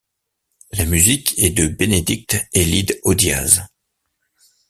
La musique est de Benedict Elide Odiase.